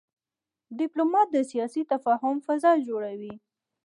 ډيپلومات د سیاسي تفاهم فضا جوړوي.